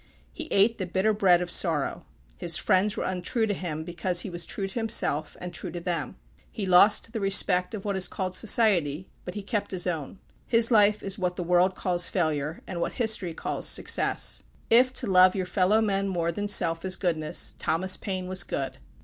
He ate the bitter bread of sorrow. His friends were untrue to him because he was true to himself, and true to them. He lost the respect of what is called society, but he kept his own. His life is what the world calls failure, and what history calls success. If to love your fellow men more than self is goodness, Thomas Paine was good.